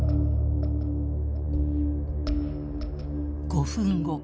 ５分後。